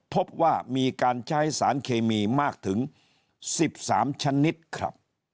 พบว่ามีการใช้สารเคมีมากถึง๑๓ชนิดครับ